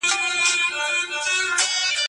څنګ ته د میخورو به د بنګ خبري نه کوو